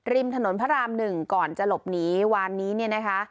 ริมถนนพระราม๑ก่อนจะหลบหนีวานนี้เนี่ยนะคะ